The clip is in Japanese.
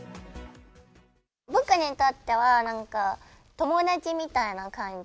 僕にとっては、なんか、友達みたいな感じ。